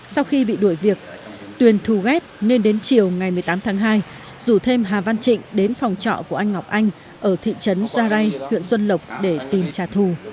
sau khi bị đuổi việc tuyền thù ghét nên đến chiều ngày một mươi tám tháng hai rủ thêm hà văn trịnh đến phòng trọ của anh ngọc anh ở thị trấn gia rai huyện xuân lộc để tìm trả thù